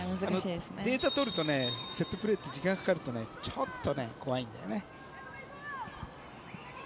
データを取るとセットプレーって時間がかかるとちょっと怖いんだよね。